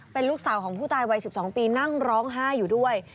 เป็นลูกสาวของผู้ตายวัย๑๒ปีนั่งร้องไห้อยู่ด้วย